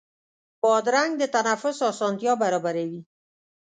بادرنګ د تنفس اسانتیا برابروي.